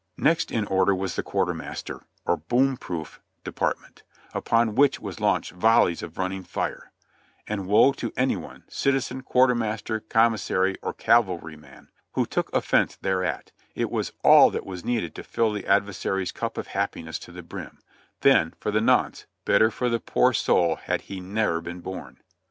Next in order was the quartermaster, or boom proof, department, upon which was launched volleys of running fire ; and woe to any one — citizen, quartermaster, commis sary or cavalryman — who took offense thereat ; it was all that was needed to fill the adversary's cup of happiness to the brim; then, for the nonce, better for the poor soul had he ne'er been born.